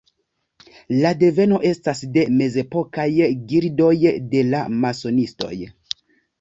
La deveno estas de mezepokaj gildoj de la masonistoj.